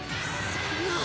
そんな。